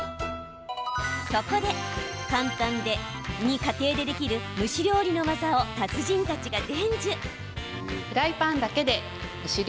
そこで家庭で簡単にできる蒸し料理の技を達人たちが伝授。